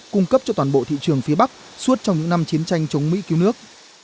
cung cấp cho toàn bộ thị trường phía bắc suốt trong những năm chiến tranh chống mỹ cứu nước